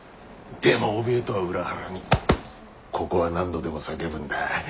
でもおびえとは裏腹にここは何度でも叫ぶんだ。